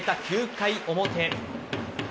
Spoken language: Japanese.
９回表。